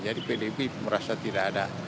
jadi pdp merasa tidak ada